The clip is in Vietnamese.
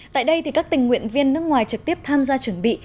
tại đây các tình nguyện viên nước ngoài trực tiếp tham gia chuẩn bị